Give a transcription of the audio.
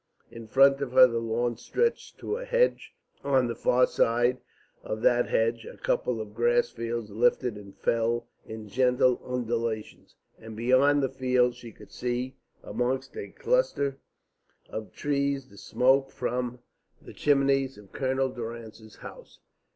In front of her the lawn stretched to a hedge; on the far side of that hedge a couple of grass fields lifted and fell in gentle undulations; and beyond the fields she could see amongst a cluster of trees the smoke from the chimneys of Colonel Durrance's house.